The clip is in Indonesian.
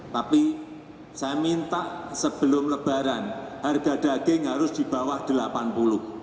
tapi saya minta sebelum lebaran harga daging harus di bawah rp delapan puluh